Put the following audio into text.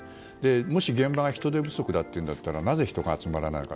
もし、現場が人手不足だというんだったらなぜ人が集まらないのか。